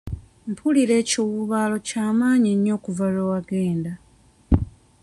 Mpulira ekiwuubaalo ky'amaanyi nnyo okuva lwe wagenda.